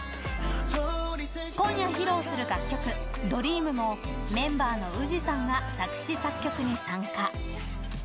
今夜披露する楽曲「ＤＲＥＡＭ」もメンバーのＷＯＯＺＩさんが作詞作曲に参加。